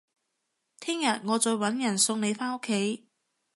聽日我再搵人送你返屋企